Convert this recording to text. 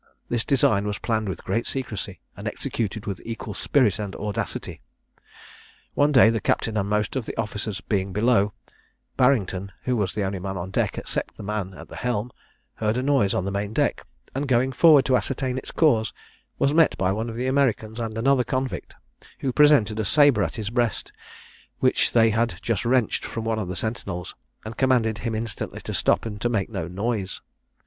This design was planned with great secrecy, and executed with equal spirit and audacity. One day, the captain and most of the officers being below, Barrington, who was the only man on deck except the man at the helm, heard a noise on the main deck, and going forward to ascertain its cause, was met by one of the Americans and another convict, who presented a sabre at his breast, which they had just wrenched from one of the sentinels, and commanded him instantly to stop, and to make no noise.